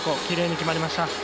きれいに決まりました。